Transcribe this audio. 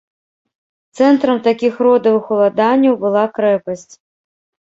Цэнтрам такіх родавых уладанняў была крэпасць.